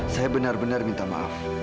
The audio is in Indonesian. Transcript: saya benar benar minta maaf